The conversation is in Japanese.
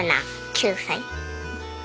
９歳。